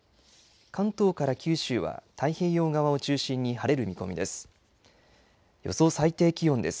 関東から九州は、太平洋側を中心に晴れる見込みです。